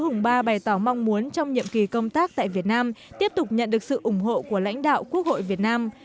nguyễn hùng ba bày tỏ mong muốn trong nhiệm kỳ công tác tại việt nam tiếp tục nhận được sự ủng hộ của lãnh đạo quốc hội việt nam